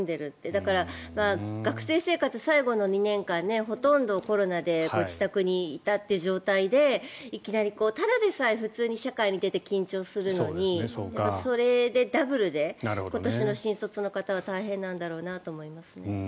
だから、学生生活最後の２年間ほとんどコロナで自宅にいた状態でただでさえ普通に社会に出て緊張するのにそれでダブルで今年の新卒の方は大変なんだろうなと思いますね。